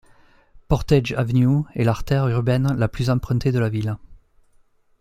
Portage Avenue est l'artère urbaine la plus empruntée de la ville.